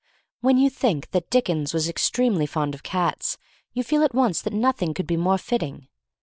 When you think that Dickens was extremely fond of cats you feel at once that nothing could be more fitting.